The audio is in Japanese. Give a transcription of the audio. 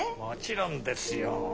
もちろんですよ。